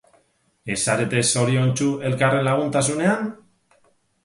Ez zarete zoriontsu elkarren laguntasunean?